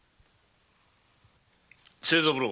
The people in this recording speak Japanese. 清三郎。